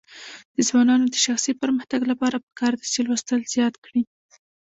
د ځوانانو د شخصي پرمختګ لپاره پکار ده چې لوستل زیات کړي.